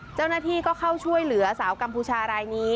เจ้าหน้าที่ก็เข้าช่วยเหลือสาวกัมพูชารายนี้